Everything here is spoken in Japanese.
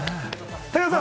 武田さん